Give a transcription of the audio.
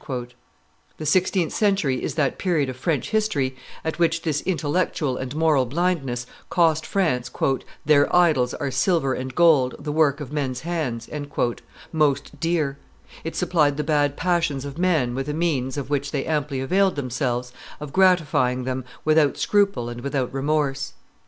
The sixteenth century is that period of French history at which this intellectual and moral blindness cost France "Their idols are silver and gold, The work of men's hands," most dear; it supplied the bad passions of men with a means, of which they amply availed themselves, of gratifying then without scruple and without remorse.